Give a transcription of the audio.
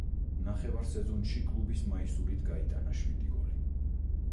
ნახევარ სეზონში კლუბის მაისურით გაიტანა შვიდი გოლი.